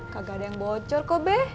kagak ada yang bocor kok beh